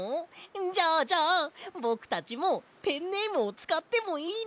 じゃあじゃあぼくたちもペンネームをつかってもいいの？